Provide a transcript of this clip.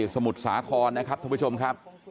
สมุดสาคอนนะครับทุกผู้ชมครับ